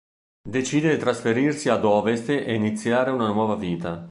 Decide di trasferirsi ad ovest e iniziare una nuova vita.